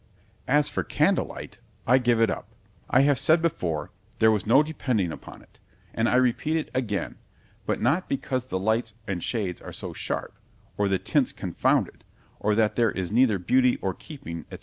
As for candle light—I give it up——I have said before, there was no depending upon it—and I repeat it again; but not because the lights and shades are too sharp—or the tints confounded—or that there is neither beauty or keeping, &c.